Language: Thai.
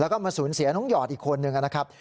และมาศูนย์เสียนุ่งหยอดอีกคนนึงนะครับ